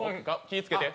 気ぃつけて。